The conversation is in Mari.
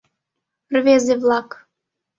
Рвезе-влак.